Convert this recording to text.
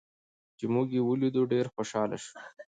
چې موږ یې ولیدو، ډېر خوشحاله شو.